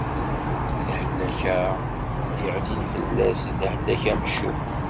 Lehlak-a i d-iɣlin fell-as, d lehlak amcum.